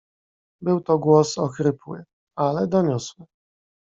"Był to głos ochrypły, ale doniosły."